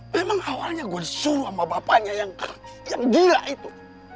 memang awalnya gue disuruh sama bapaknya yang gila itu